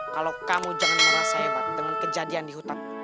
kalau kamu jangan merasa hebat dengan kejadian di hutan